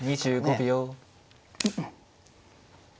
２５秒。